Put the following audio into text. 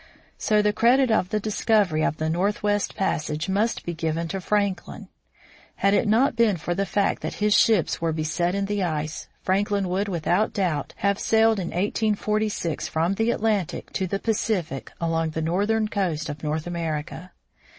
So the credit of the discovery of the northwest passage must be given to Franklin. Had it not been for the fact that his ships were beset in the ice, Franklin would, without doubt, have sailed in 1846 from the Atlantic to the Pacific along the northern coast of North America.